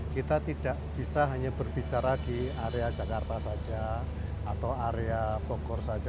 kita tidak bisa hanya berbicara di area jakarta saja atau area bogor saja